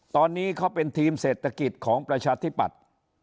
ตอนนี้เขาเป็นทีมเศรษฐกิจของประชาธิปัตย์